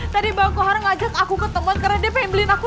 tadi bang kohar ngajak aku ke teman karena dia pengen beliin aku laptop kak